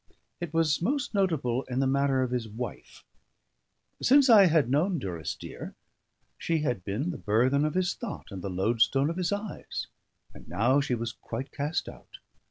It was most notable in the matter of his wife. Since I had known Durrisdeer, she had been the burthen of his thought and the loadstone of his eyes; and now she was quite cast out.